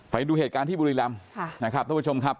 ไปดูเหตุการณ์ที่บุรีรำนะครับท่านผู้ชมครับ